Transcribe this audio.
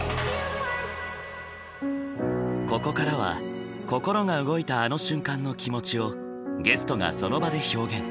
ここからは心が動いたあの瞬間の気持ちをゲストがその場で表現。